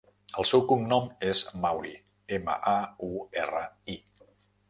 El seu cognom és Mauri: ema, a, u, erra, i.